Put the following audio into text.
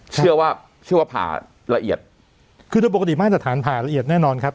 เชื่อว่าเชื่อว่าผ่าละเอียดคือโดยปกติมาตรฐานผ่าละเอียดแน่นอนครับ